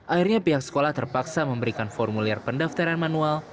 akhirnya pihak sekolah terpaksa memberikan formulir pendaftaran manual